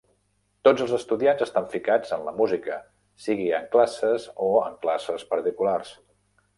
Tots els estudiants estan ficats en la música, sigui en classes o classes particulars.